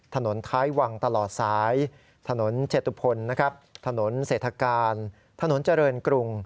ถนนท้ายวังตลอดสายถนนเจตุพลนะครับถนนเศรษฐกาลถนนเจริญกรุง